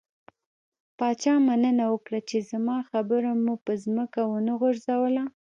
پاچا مننه وکړه، چې زما خبره مو په ځمکه ونه غورځوله.